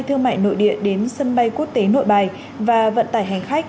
thương mại nội địa đến sân bay quốc tế nội bài và vận tải hành khách